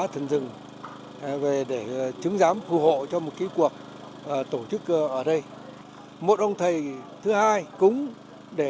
thần rừng về để chứng giám phù hộ cho một cái cuộc tổ chức ở đây một ông thầy thứ hai cũng để